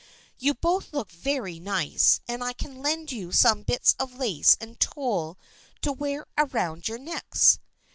You both look very nice, and I can lend you some bits of lace and tulle to wear around your necks.